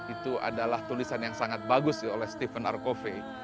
itu adalah tulisan yang sangat bagus oleh stephen ar coffe